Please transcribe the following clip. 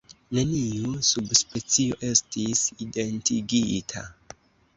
Neniu subspecio estis identigita.